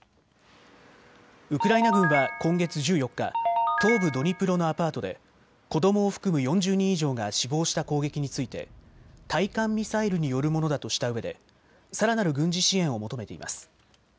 ウクライナ軍は今月１４日、東部ドニプロのアパートで子どもを含む４０人以上が死亡した攻撃について対艦ミサイルによるものだとしたうえでさらなる軍事支援を求めています。